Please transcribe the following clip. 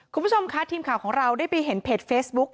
คุณผู้ชมค่ะทีมข่าวของเราได้ไปเห็นเพจเฟซบุ๊ค